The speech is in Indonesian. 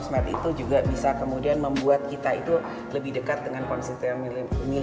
kemudian sosmed itu juga bisa kemudian membuat kita itu lebih dekat dengan konstituen milenial